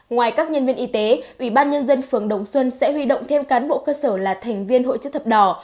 ngoài các nhân viên y tế ủy ban nhân dân phường đồng xuân sẽ huy động thêm cán bộ cơ sở là thành viên hội chữ thập đỏ